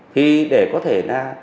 thì để có thể